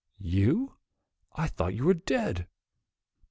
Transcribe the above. You? I thought you were dead!"